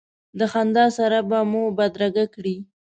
د خندا سره به مو بدرګه کړې.